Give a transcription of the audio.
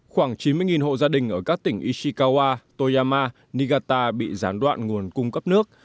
khoảng chín mươi hộ gia đình ở các tỉnh ishikawa toyama nigata bị gián đoạn nguồn cung cấp nước